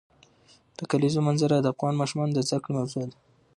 د کلیزو منظره د افغان ماشومانو د زده کړې موضوع ده.